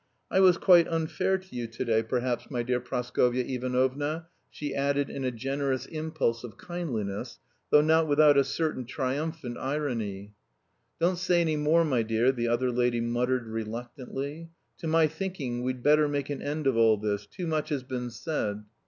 I was quite unfair to you to day perhaps, my dear Praskovya Ivanovna," she added in a generous impulse of kindliness, though not without a certain triumphant irony. "Don't say any more, my dear," the other lady muttered reluctantly. "To my thinking we'd better make an end of all this; too much has been said."